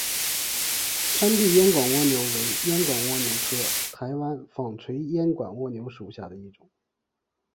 山地烟管蜗牛为烟管蜗牛科台湾纺锤烟管蜗牛属下的一个种。